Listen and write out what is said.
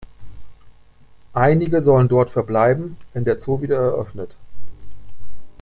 Einige sollen dort verbleiben, wenn der Zoo wieder eröffnet.